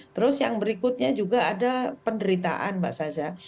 terus yang berikutnya juga ada penderitaan mbak saza